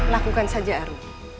lakukan saja arun